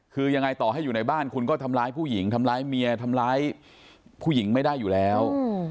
คือยังไงต่อให้อยู่ในบ้านคุณก็ทำร้ายผู้หญิงทำร้ายเมียทำร้ายผู้หญิงไม่ได้อยู่แล้ว